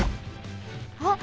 あっ！